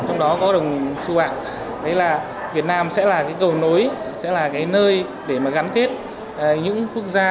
trong đó có đồng su ạng đấy là việt nam sẽ là cái cầu nối sẽ là cái nơi để mà gắn kết những quốc gia